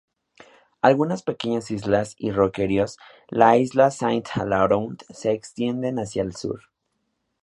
Algunas pequeñas islas y roqueríos, las islas Saint-Aloüarn, se extienden hacia el sur.